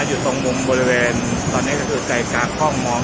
อยู่ตรงมุมบริเวณตอนนี้ก็คือใจกลางกล้องมอง